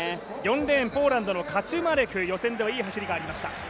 ４レーン、ポーランドのカチュマレク予選ではいい走りがありました。